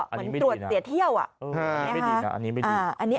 อันนี้ไม่ดีนะอันนี้ไม่ดี